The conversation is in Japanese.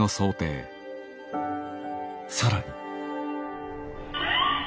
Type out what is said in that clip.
更に。